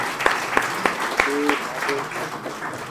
যে ভাবে, সে করে না।